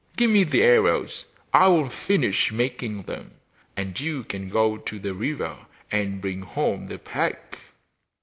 Give me the arrows, I will finish making them, and you can go to the river and bring home the pack!